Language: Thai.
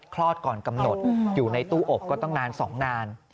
คลอดก่อนกำหนดอยู่ในตู้อบก็ตั้งนาน๒นาน